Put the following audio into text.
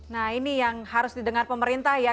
nah ini yang harus didengar pemerintah ya